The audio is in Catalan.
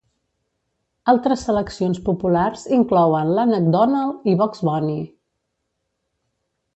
Altres seleccions populars inclouen l'Ànec Donald i Bugs Bunny.